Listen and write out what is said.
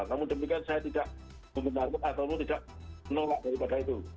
namun demikian saya tidak menolak daripada itu